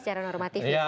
secara normatif ya bang